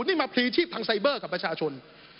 นี่มาพลีชีพทางไซเบอร์กับประชาชน